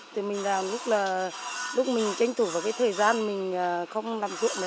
tức là lúc mình tranh thủ vào cái thời gian mình không làm ruộng nữa